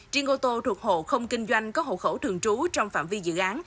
trên ô tô thuộc hộ không kinh doanh có hộ khẩu thường trú trong phạm vi dự án